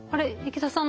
池田さん